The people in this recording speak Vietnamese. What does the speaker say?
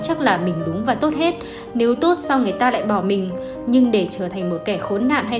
chắc là mình đúng và tốt hết nếu tốt sau người ta lại bỏ mình nhưng để trở thành một kẻ khốn nạ hay